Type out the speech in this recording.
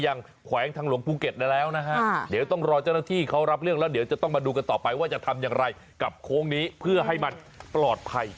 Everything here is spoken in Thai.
แขวงทางหลวงภูเก็ตได้แล้วนะฮะเดี๋ยวต้องรอเจ้าหน้าที่เขารับเรื่องแล้วเดี๋ยวจะต้องมาดูกันต่อไปว่าจะทำอย่างไรกับโค้งนี้เพื่อให้มันปลอดภัย